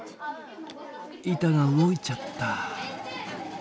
板が動いちゃった。